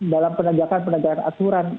dalam penegakan penegakan aturan